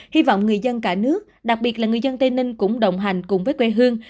hy vọng người dân cả nước đặc biệt là người dân tây ninh cũng đồng hành cùng với quê hương